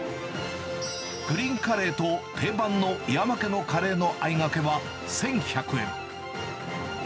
グリーンカレーと定番の岩間家のカレーのあいがけは１１００円。